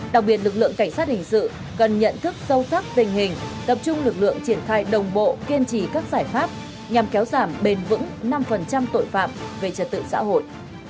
đặc biệt lực lượng cảnh sát hình sự cần nhận thức sâu sắc tình hình tập trung lực lượng triển khai đồng bộ kiên trì các giải pháp nhằm kéo giảm bền vững năm tội phạm về trật tự xã hội